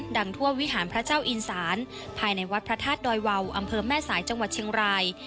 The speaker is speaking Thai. ทั่ววิหารพระเจ้าอินสานภายในวัดพระธาตุดอยวาวอำเภอแม่สายจังหวัดเชียงราย